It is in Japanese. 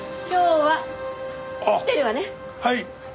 はい。